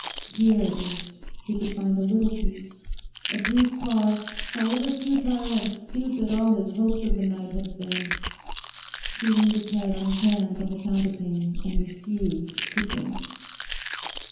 Here at least he could find a little peace, a brief pause, however futile and stupid all his hopes of the night had been. He leant his head on his hands on the counterpane and refused to think.